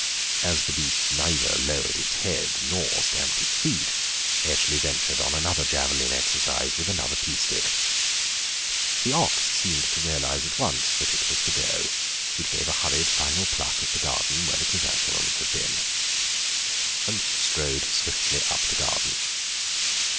As the beast neither lowered its head nor stamped its feet Eshley ventured on another javelin exercise with another pea stick. The ox seemed to realise at once that it was to go; it gave a hurried final pluck at the bed where the chrysanthemums had been, and strode swiftly up the garden.